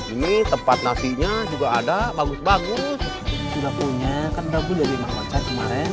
ini tempat nasinya juga ada bagus bagus